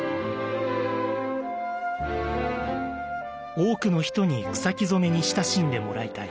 多くの人に草木染に親しんでもらいたい。